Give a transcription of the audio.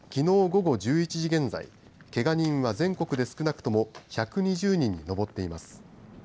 午後１１時現在けが人は全国で少なくとも１２０人に上っています。